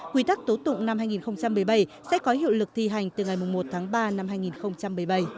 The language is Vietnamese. quy tắc tố tụng năm hai nghìn một mươi bảy sẽ có hiệu lực thi hành từ ngày một tháng ba năm hai nghìn một mươi bảy